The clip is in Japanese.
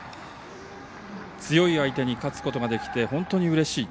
強い相手に勝つことができて本当にうれしい。